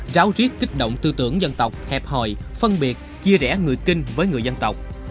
ráo riết kích động tư tưởng dân tộc hẹp hòi phân biệt chia rẽ người kinh với người dân tộc